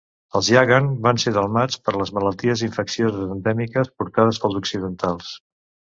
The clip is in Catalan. Els Yaghan van ser delmats per les malalties infeccioses endèmiques portades pels occidentals.